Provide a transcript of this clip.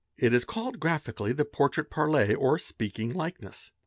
It is called graphically the "Portrait parlé" or speaking likeness.